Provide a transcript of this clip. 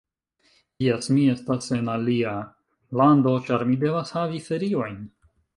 Jes, mi estas en alia lando ĉar mi devas havi feriojn